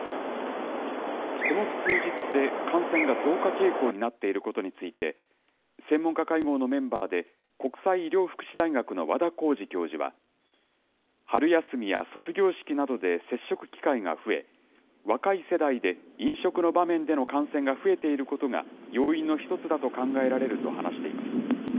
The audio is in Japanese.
この数日で感染が増加傾向になっていることについて、専門家会合のメンバーで、国際医療福祉大学の和田耕治教授は、春休みや卒業式などで接触機会が増え、若い世代で飲食の場面での感染が増えていることが、要因の１つだと考えられると、話しています。